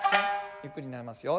ゆっくりになりますよ。